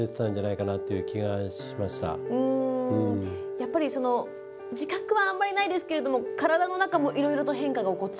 やっぱり自覚はあんまりないですけれども体の中もいろいろと変化が起こってる。